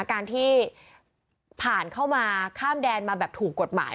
การที่ผ่านเข้ามาข้ามแดนมาแบบถูกกฎหมาย